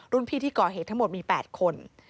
พี่ที่ก่อเหตุทั้งหมดมี๘คน